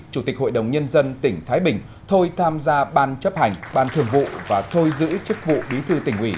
chủ tịch hội đồng nhân dân tỉnh thái bình thôi tham gia ban chấp hành ban thường vụ và thôi giữ chức vụ bí thư tỉnh ủy